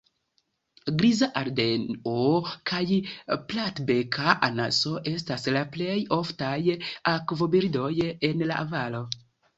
Griza ardeo kaj platbeka anaso estas la plej oftaj akvobirdoj en la valo.